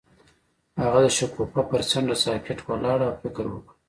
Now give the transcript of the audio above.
هغه د شګوفه پر څنډه ساکت ولاړ او فکر وکړ.